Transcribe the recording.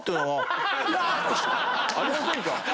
ありませんか